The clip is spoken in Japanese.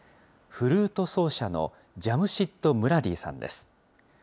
フルート奏者のジャムシッド・ムラディーさんです。